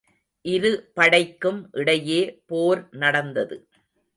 இருபடைக்கும் இடையே போர் நடந்தது.